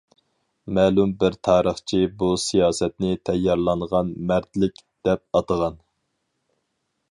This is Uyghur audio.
مەلۇم بىر تارىخچى بۇ سىياسەتنى «تەييارلانغان مەردلىك» دەپ ئاتىغان.